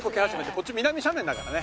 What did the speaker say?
こっち南斜面だからね。